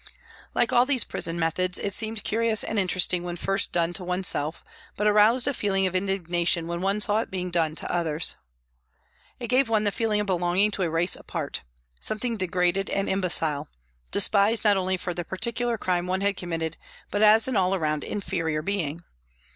Like all these prison methods, it seemed curious and interesting when first done to oneself, but aroused a feeling of indignation when one saw it being done to others. 96 PRISONS AND PRISONERS It gave one the feeling of belonging to a race apart, something degraded and imbecile, despised not only for the particular crime one had committed but as an all round inferior being.